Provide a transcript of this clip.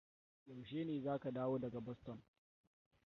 Yaushe ne zaka dawo daga Boston?